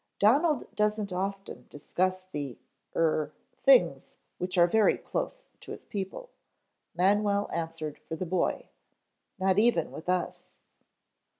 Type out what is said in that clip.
"Donald doesn't often discuss the er things which are very close to his people," Manwell answered for the boy. "Not even with us."